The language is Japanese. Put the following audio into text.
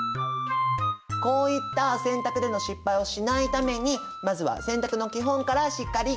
こういった洗濯での失敗をしないためにまずは洗濯の基本からしっかり確認していきましょう。